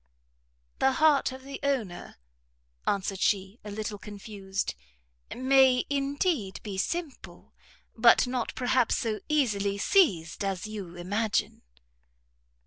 "The heart of the owner," answered she, a little confused, "may, indeed, be simple, but not, perhaps, so easily seized as you imagine."